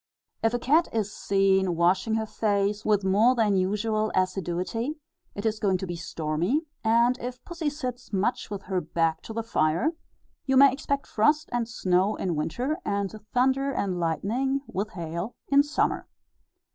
If a cat is seen washing her face with more than usual assiduity, it is going to be stormy; and if pussy sits much with her back to the fire, you may expect frost and snow in winter, and thunder and lightning, with hail, in summer.